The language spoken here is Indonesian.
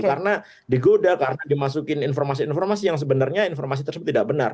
karena digoda karena dimasukin informasi informasi yang sebenarnya informasi tersebut tidak benar